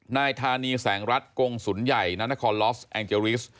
นายธานีแสงรัฐกงศูนย์ใหญ่นานครลอฟแองเจริส